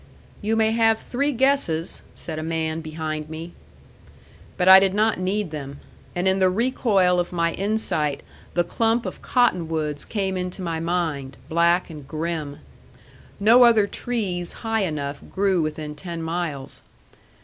"You may have three guesses," said a man behind me. But I did not need them. And in the recoil of my insight the clump of cottonwoods came into my mind, black and grim. No other trees high enough grew within ten miles.